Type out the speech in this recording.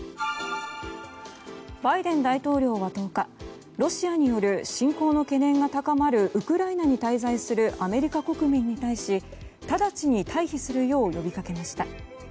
バイデン大統領は１０日ロシアによる侵攻の懸念が高まるウクライナに滞在するアメリカ国民に対し直ちに退避するよう呼びかけました。